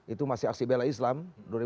itu masih aksi bela islam